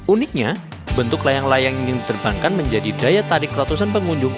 uniknya bentuk layang layang yang diterbangkan menjadi daya tarik ratusan pengunjung